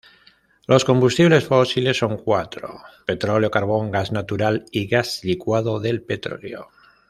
Los combustibles fósiles son cuatro: petróleo, carbón, gas natural y gas licuado del petróleo.